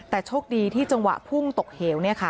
แต่โชคดีที่จังหวะพุ่งตกเหว